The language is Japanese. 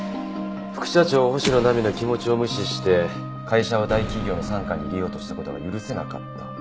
副社長星野菜美の気持ちを無視して会社を大企業の傘下に入れようとした事が許せなかった。